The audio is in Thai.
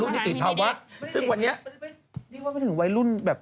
ซึ่งวันนี้เรียกว่าไม่ถึงวัยรุ่นแบบ